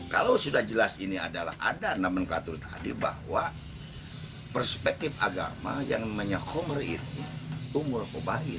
kalau sudah jelas ini adalah ada namun katul tadi bahwa perspektif agama yang namanya khomer itu umur khobair